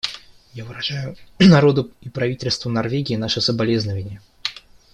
Я выражаю народу и правительству Норвегии наши соболезнования.